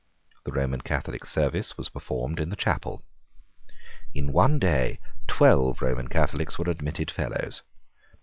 The Roman Catholic service was performed in the chapel. In one day twelve Roman Catholics were admitted Fellows.